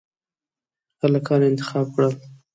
هلکان انتخاب کړل.